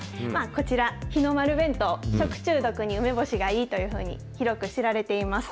こちら、日の丸弁当、食中毒に梅干しがいいというふうに、広く知られています。